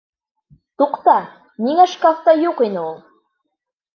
Туҡта, ниңә шкафта юҡ ине ул?